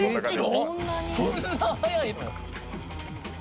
そんな速いの？